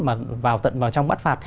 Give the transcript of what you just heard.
mà vào tận vào trong bắt phạt